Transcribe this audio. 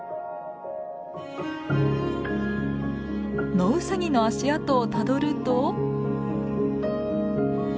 ノウサギの足跡をたどると。